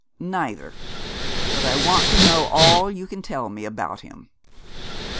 'Neither; but I want to know all you can tell me about him.'